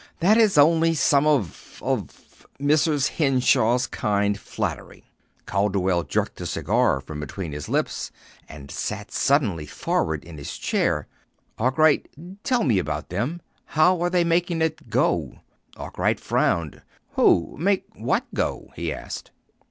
"That is only some of of Mrs. Henshaw's kind flattery." Calderwell jerked the cigar from between his lips, and sat suddenly forward in his chair. "Arkwright, tell me about them. How are they making it go?" Arkwright frowned. "Who? Make what go?" he asked.